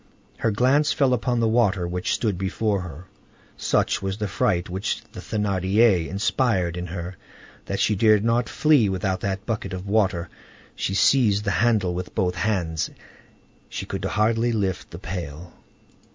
Her glance fell upon the water which stood before her; such was the fright which the Thénardier inspired in her, that she dared not flee without that bucket of water: she seized the handle with both hands; she could hardly lift the pail.